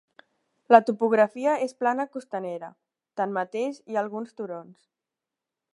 La topografia és plana costanera; tanmateix hi ha alguns turons.